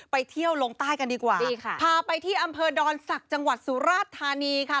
ไปเที่ยวลงใต้กันดีกว่าดีค่ะพาไปที่อำเภอดอนศักดิ์จังหวัดสุราชธานีค่ะ